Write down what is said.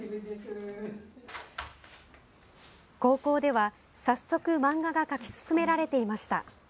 高校では早速漫画が描き進められていました。